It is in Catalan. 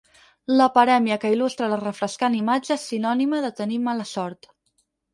La parèmia que il·lustra la refrescant imatge és sinònima de tenir mala sort.